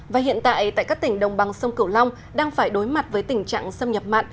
và hiện tại tại các tỉnh đồng bằng sông cửu long đang phải đối mặt với tình trạng xâm nhập mặn